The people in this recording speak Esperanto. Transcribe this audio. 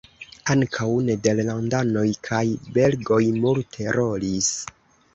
Ankaŭ nederlandanoj kaj belgoj multe rolis.